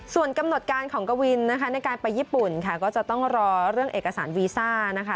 ส่วนกำหนดการของกวินนะคะในการไปญี่ปุ่นค่ะก็จะต้องรอเรื่องเอกสารวีซ่านะคะ